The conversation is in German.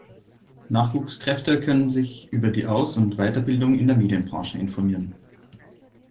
Nachwuchskräfte können sich über die Aus- und Weiterbildung in der Medienbranche informieren.